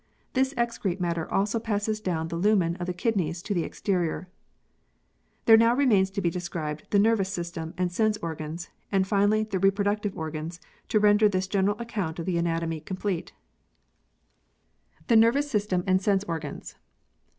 This excrete matter also passes down the lumen of the kidneys to the exterior. There now remains to be described the nervous system and sense organs, and finally the reproductive organs to render this general account of the anatomy complete. 38 PEARLS [CH. The Nervous System and Sense Organs.